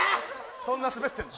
・そんなスベってんの？